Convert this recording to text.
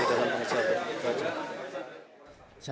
kemudian terlalu banyak bagian tentang cowok atau orang yang di tumpah ke store